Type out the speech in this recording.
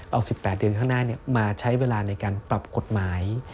เอา๑๘เดือนข้างหน้ามาใช้เวลาในการปรับกฎหมาย